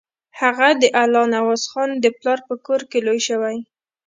هغه د الله نوازخان د پلار په کور کې لوی شوی.